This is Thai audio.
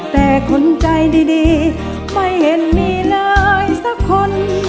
แต่คนใจดีไม่เห็นมีเลยสักคน